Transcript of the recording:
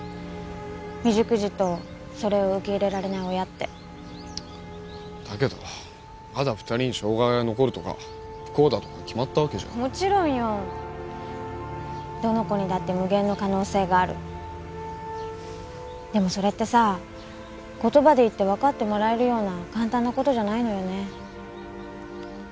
未熟児とそれを受け入れられない親ってだけどまだ二人に障害が残るとか不幸だとか決まったわけじゃもちろんよどの子にだって無限の可能性があるでもそれってさ言葉で言って分かってもらえるような簡単なことじゃないのよね